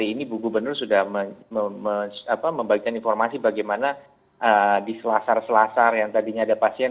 ini bu gubernur sudah membagikan informasi bagaimana di selasar selasar yang tadinya ada pasien